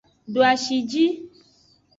Doashi ji.